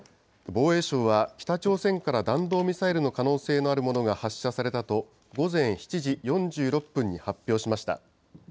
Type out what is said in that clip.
防衛省は、北朝鮮から弾道ミサイルの可能性があるものが発射されたと、午前７時４６分に発表しました。